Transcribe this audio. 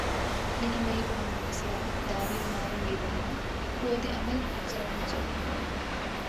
لیکن وہی پرانا مسئلہ، دعوے اور نعرے بے بہا، قوت عمل ذرا کمزور۔